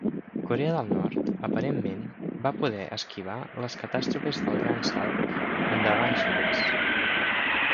Corea del Nord, aparentment, va poder esquivar les catàstrofes del Gran Salt Endavant xinès.